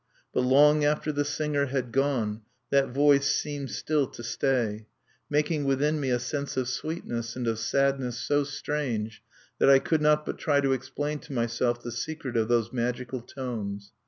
But long after the singer had gone that voice seemed still to stay, making within me a sense of sweetness and of sadness so strange that I could not but try to explain to myself the secret of those magical tones.